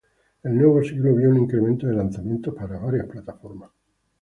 El nuevo siglo vio un incremento de lanzamientos para varias plataformas.